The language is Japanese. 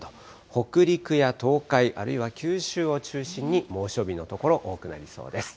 北陸や東海、あるいは九州を中心に猛暑日の所、多くなりそうです。